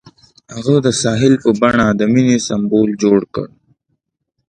هغه د ساحل په بڼه د مینې سمبول جوړ کړ.